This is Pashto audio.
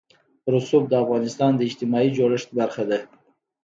رسوب د افغانستان د اجتماعي جوړښت برخه ده.